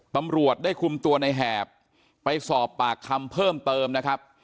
ตำรวจได้คุมตัวในแหบไปสอบปากคำเพิ่มเติมนะครับ